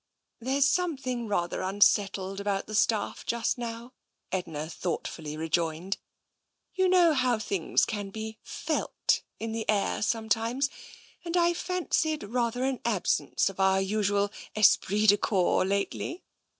" There's something rather unsettled about the staff just now," Edna thoughtfully rejoined. " You know how things can be felt in the air sometimes, and I've fancied rather an absence of our usual esprit de corps lately.